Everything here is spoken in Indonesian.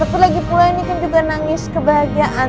tapi lagi pula ini kan juga nangis kebahagiaan